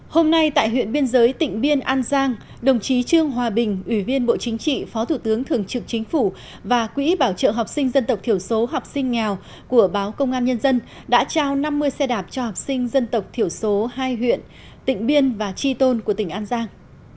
hôm nay tại huyện biên giới tỉnh biên an giang đồng chí trương hòa bình ủy viên bộ chính trị phó thủ tướng thường trực chính phủ và quỹ bảo trợ học sinh dân tộc thiểu số học sinh nghèo của báo công an nhân dân đã trao năm mươi xe đạp cho học sinh dân tộc thiểu số hai huyện tịnh biên và tri tôn của tỉnh an giang